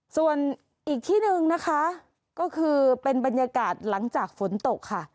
ส่วนอีกที่หนึ่งนะคะก็คือเป็นบรรยากาศหลังจากฝนตกค่ะ